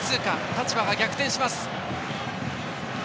立場が逆転します。